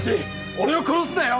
俺を殺すなよ！